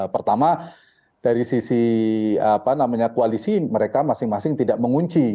pertama dari sisi koalisi mereka masing masing tidak mengunci